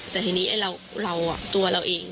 แต่ทีนี้เราตัวเราเอง